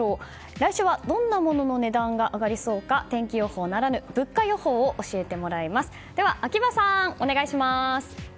来週はどんなものの値段が上がりそうか天気予報ならぬ物価予報を教えてもらいます。